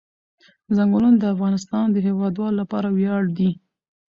ځنګلونه د افغانستان د هیوادوالو لپاره ویاړ دی.